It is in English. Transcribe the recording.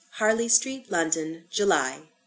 Harley Street, London, July, 1862.